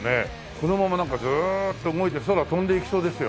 このままなんかずーっと動いて空飛んでいきそうですよ。